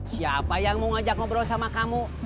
siapa yang mau ngajak ngobrol sama kamu